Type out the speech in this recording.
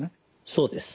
そうです。